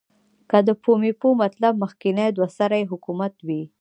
که د پومپیو مطلب مخکنی دوه سری حکومت وي.